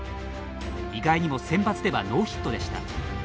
意外にもセンバツではノーヒットでした。